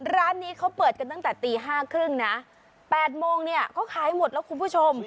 ร้านนี้เขาเปิดกันตั้งแต่ตี๕๓๐นะ๘โมงเนี่ยเขาขายหมดแล้วคุณผู้ชม